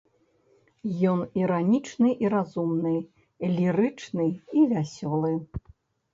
Ён іранічны і разумны, лірычны і вясёлы.